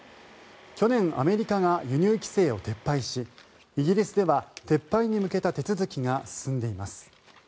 去年、アメリカが輸入規制を撤廃しイギリスでは撤廃に向けた手続きが進んでいます。